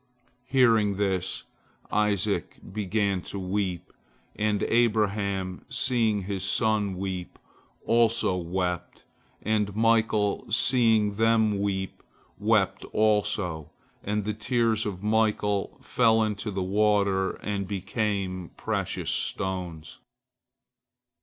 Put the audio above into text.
Hearing this, Isaac began to weep, and Abraham, seeing his son weep, also wept, and Michael, seeing them weep, wept also, and the tears of Michael fell into the water, and became precious stones.